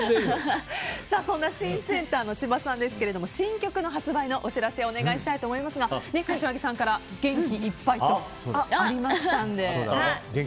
そんな新センターの千葉さんですが新曲発売のお知らせをお願いしたいと思いますが柏木さんから元気いっぱいとありましたので。